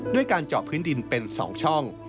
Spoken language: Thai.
ด้วยการเจาะพื้นดินเป็น๒ช่อง